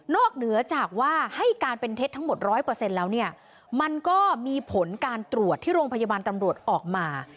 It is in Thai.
เหนือจากว่าให้การเป็นเท็จทั้งหมด๑๐๐แล้วเนี่ยมันก็มีผลการตรวจที่โรงพยาบาลตำรวจออกมา